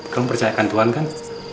kamu percayakan tuhan kan